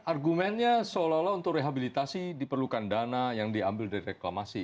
argumennya seolah olah untuk rehabilitasi diperlukan dana yang diambil dari reklamasi